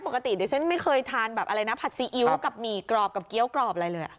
ปกติเดี๋ยวฉันไม่เคยทานแบบอะไรนะผัดซีอิ๊วกับหมี่กรอบกับเกี้ยวกรอบอะไรเลย